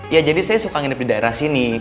ya jadi saya suka nginep di daerah sini